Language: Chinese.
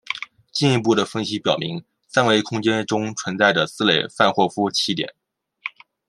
进一步的分析表明三维空间中存在着四类范霍夫奇点。